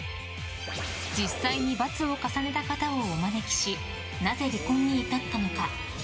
実際にバツを重ねた方をお招きしなぜ、離婚に至ったのか。